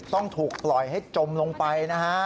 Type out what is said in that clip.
ต้องถูกปล่อยให้จมลงไปนะฮะ